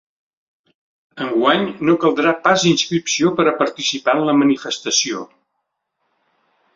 Enguany no caldrà pas inscripció per a participar en la manifestació.